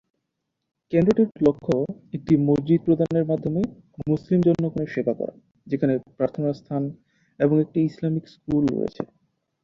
কেন্দ্রটির লক্ষ্য একটি মসজিদ প্রদানের মাধ্যমে মুসলিম জনগণের সেবা করা, যেখানে প্রার্থনার স্থান এবং একটি ইসলামিক স্কুল রয়েছে।